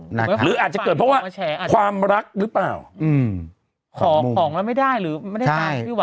หรืออาจจะเกิดเพราะว่าความรักหรือเปล่าอืมขอของแล้วไม่ได้หรือไม่ได้ได้พี่หวังหรือเปล่า